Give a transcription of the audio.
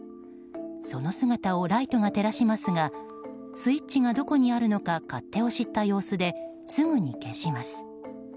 その姿をライトが照らしますがスイッチがどこにあるのか勝手を知った様子ですぐに消します。